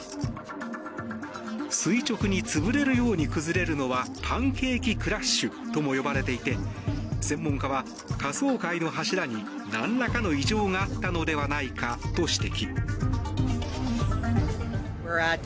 垂直に潰れるように崩れるのはパンケーキ・クラッシュとも呼ばれていて専門家は下層階の柱になんらかの異常があったのではないかと指摘。